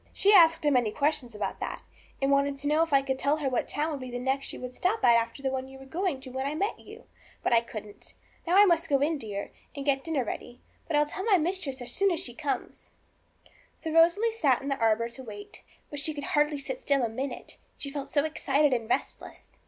She asked a many questions about that, and wanted to know if I could tell her what town would be the next you would stop at after the one you were going to when I met you; but I couldn't. Now I must go in, dear, and get dinner ready; but I'll tell my mistress as soon as she comes.' So Rosalie sat down in the arbour to wait. But she could hardly sit still a minute, she felt so excited and restless.